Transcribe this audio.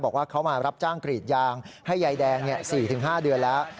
บอกว่าเขามารับจ้างกรีดยางให้ยายแดง๔๕เดือนแล้ว